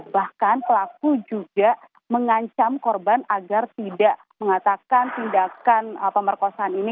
bahkan pelaku juga mengancam korban agar tidak mengatakan tindakan pemerkosaan ini